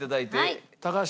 高橋。